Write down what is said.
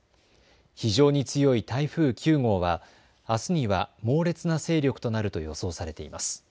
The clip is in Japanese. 非常に強い台風９号はあすには猛烈な勢力となると予想されています。